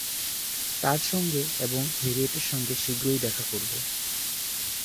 তার সঙ্গে এবং হ্যারিয়েটের সঙ্গে শীঘ্রই দেখা করব।